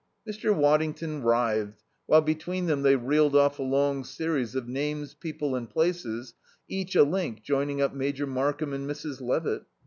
Mr. Waddington writhed, while between them they reeled off a long series of names, people and places, each a link joining up Major Markham and Mrs. Levitt.